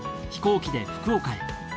飛行機で福岡へ。